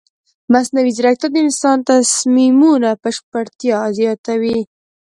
مصنوعي ځیرکتیا د انساني تصمیمونو بشپړتیا زیاتوي.